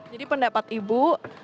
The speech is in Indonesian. jadi pendapat ibu